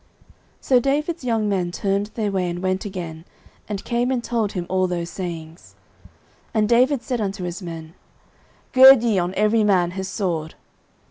09:025:012 So David's young men turned their way, and went again, and came and told him all those sayings. 09:025:013 And David said unto his men, Gird ye on every man his sword.